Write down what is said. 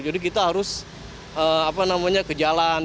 jadi kita harus apa namanya ke jalan